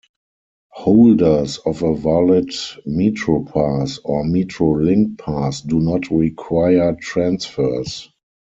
Holders of a valid MetroPass or MetroLink Pass do not require transfers.